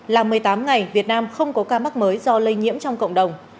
là một mươi tám ngày việt nam không có ca mắc mới do lây nhiễm trong cộng đồng